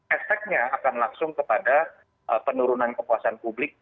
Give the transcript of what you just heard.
efeknya akan langsung kepada penurunan kepuasan publik